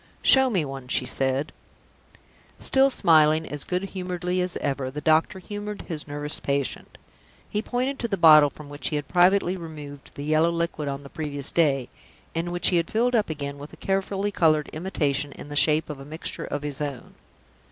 "Show me one," she said, Still smiling as good humoredly as ever, the doctor humored his nervous patient. He pointed to the bottle from which he had privately removed the yellow liquid on the previous day, and which he had filled up again with a carefully colored imitation in the shape of a mixture of his own.